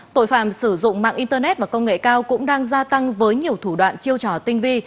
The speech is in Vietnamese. tội phạm sử dụng mạng internet và công nghệ cao cũng đang gia tăng với nhiều thủ đoạn chiêu trò tinh vi